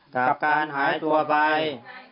กับการหายตัวไป